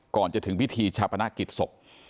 ก่อนจะถึงพิธีชาปนกิจศพ